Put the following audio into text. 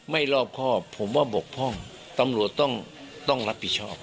รอบครอบผมว่าบกพร่องตำรวจต้องรับผิดชอบ